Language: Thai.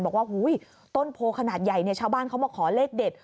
บอกว่าต้นโพขนาดใหญ่เนี่ยชาวบ้านเขามาขอเลขเด็ด